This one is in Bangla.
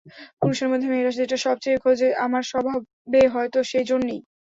পুরুষের মধ্যে মেয়েরা যেটা সব চেয়ে খোঁজে আমার স্বভাবে হয়তো সেই জোর নেই।